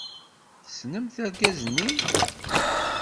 Tessnemt argaz-nni?